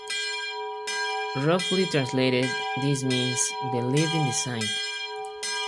Roughly translated, this means "Believe in the sign".